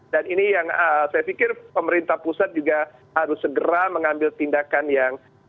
dan ini yang saya pikir pemerintah pusat juga harus segera mengambil tindakan yang